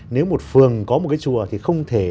nếu một phường có một cái chùa thì không thể